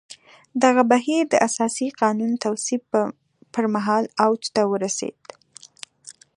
دغه بهیر د اساسي قانون تصویب پر مهال اوج ته ورسېد.